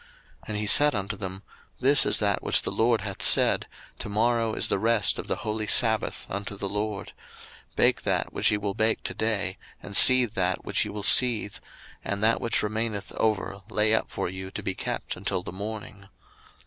02:016:023 And he said unto them, This is that which the LORD hath said, To morrow is the rest of the holy sabbath unto the LORD: bake that which ye will bake to day, and seethe that ye will seethe; and that which remaineth over lay up for you to be kept until the morning.